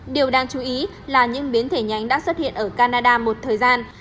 điều đáng chú ý là những biến thể nhánh đã xuất hiện ở canada một thời gian